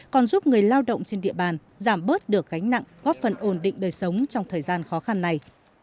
còn giúp người lao động trên địa bàn giảm bớt được gánh nặng góp phần ổn định đời sống trong thời gian khó khăn này